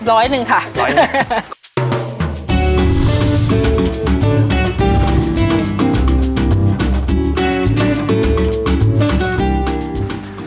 ร้อยหนึ่งค่ะร้อยหนึ่ง